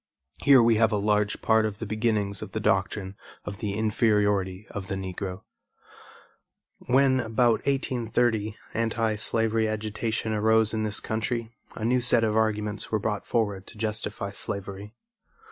Here we have a large part of the beginnings of the doctrine of the inferiority of the Negro. When, about 1830, anti slavery agitation arose in this country, a new set of arguments were brought forward to justify slavery.